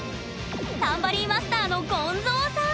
タンバリンマスターのゴンゾーさん！